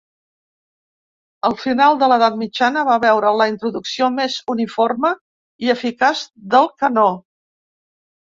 El final de l'edat mitjana va veure la introducció més uniforme i eficaç del canó.